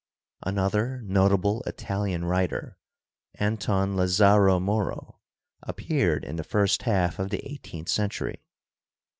Another notable Italian writer, Anton Lazzaro Moro, appeared in the first half of the eighteenth century.